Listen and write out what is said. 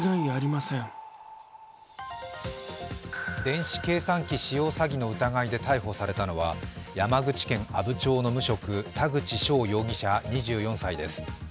電子計算機使用詐欺の疑いで逮捕されたのは、山口県阿武町の無職・田口翔容疑者２４歳です。